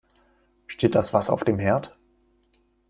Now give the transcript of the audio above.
Steht das Wasser auf dem Herd?